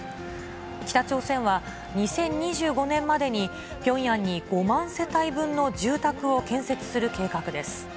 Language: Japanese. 北朝鮮は２０２５年までにピョンヤンに５万世帯分の住宅を建設する計画です。